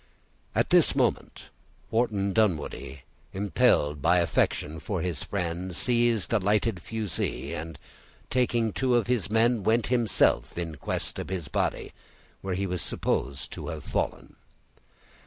At this moment Wharton Dunwoodie, impelled by affection for his friend, seized a lighted fusee, and taking two of his men went himself in quest of his body, where he was supposed to have fallen.